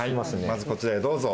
まずこちらへどうぞ。